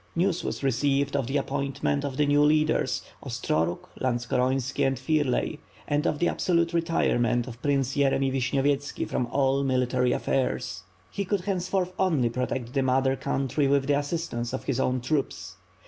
News was received of the appointment of new leaders; Ostorog, Lantskorontski and Firley and of the absolute re tirement of Prince Yeremy Vishnyovyetski from all military affairs. He could henceforth only protect the mother coun try with the assistance of his own troops.